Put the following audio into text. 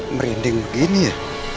merinding begini ya